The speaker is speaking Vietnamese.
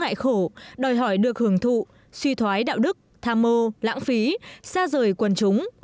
đại khổ đòi hỏi được hưởng thụ suy thoái đạo đức tham mô lãng phí xa rời quần chúng